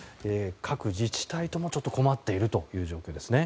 各自治体とも困っているという状況ですね。